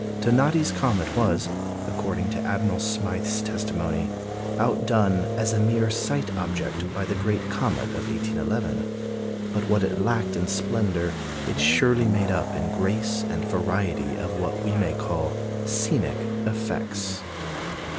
Donati's comet was, according to Admiral Smyth's testimony, outdone "as a mere sight object" by the great comet of 1811; but what it lacked in splendour, it surely made up in grace, and variety of what we may call "scenic" effects.